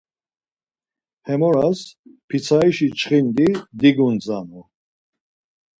Hemoras pitsarişi çxindi digundzanu.